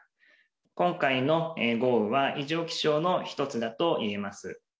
今回の豪雨は、異常気象の一つだといえます。